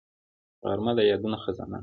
غرمه د یادونو خزانه ده